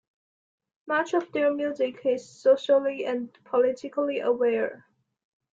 Much of their music is socially and politically aware.